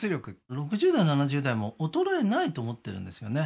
６０代７０代も衰えないと思ってるんですよね